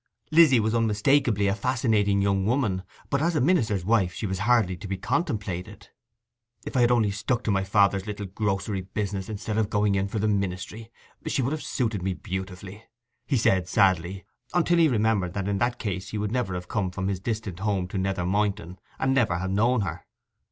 Lizzy was unmistakably a fascinating young woman, but as a minister's wife she was hardly to be contemplated. 'If I had only stuck to father's little grocery business, instead of going in for the ministry, she would have suited me beautifully!' he said sadly, until he remembered that in that case he would never have come from his distant home to Nether Moynton, and never have known her.